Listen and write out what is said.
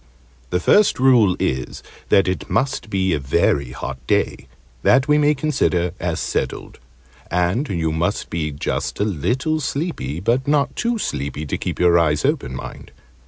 The first rule is, that it must be a very hot day that we may consider as settled: and you must be just a little sleepy but not too sleepy to keep your eyes open, mind.